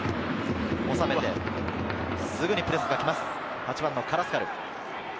収めてすぐにプレスが来ます、カラスカル。